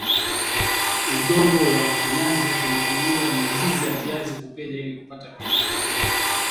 udongo wa mfinyanzi huzuia mizizi ya viazi kupenya ili kupata viazi vikubwa